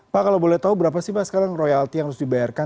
pak kalau boleh tahu berapa sih pak sekarang royalti yang harus dibayarkan